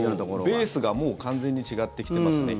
ベースがもう完全に違ってきてますね。